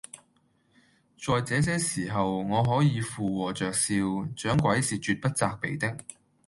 在這些時候，我可以附和着笑，掌櫃是決不責備的